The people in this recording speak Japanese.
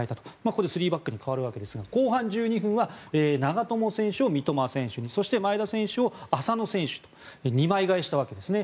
ここで３バックに変わるわけですが後半１２分は長友選手を三笘選手にそして前田選手を浅野選手と２枚変えしたわけですね。